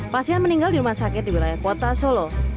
pasien meninggal di rumah sakit di wilayah kota solo